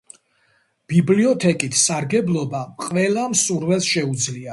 ბიბლიოთეკით სარგებლობა ყველა მსურველს შეუძლია.